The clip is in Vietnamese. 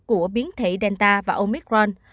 của biến thể delta và omicron